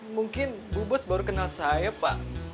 mungkin bu bos baru kenal saya pak